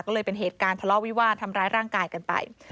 ก็เลยเป็นเหตุการณ์ทะเลาะวิวาดทำร้ายร่างกายกันไป